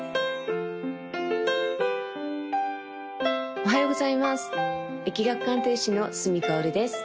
おはようございます易学鑑定士の角かおるです